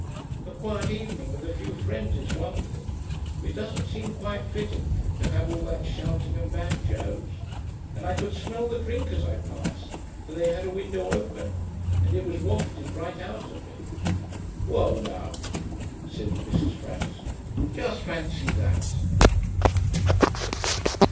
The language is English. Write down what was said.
'A quiet evening with a few friends is one thing; but it doesn't seem quite fitting to have all that shouting and banjos. And I could smell the drink as I passed, for they had a window open, and it was wafted right out at me.' 'Well now,' said Mrs. Frampton, 'just fancy that!'